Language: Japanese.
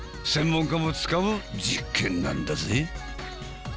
専門家も使う実験なんだぜ！